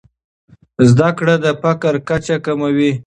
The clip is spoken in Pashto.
زده کړې د فقر کچه کموي.